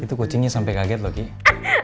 itu kucingnya sampai kaget loh ki